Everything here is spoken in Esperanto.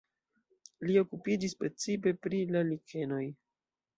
Li okupiĝis precipe pri la likenoj.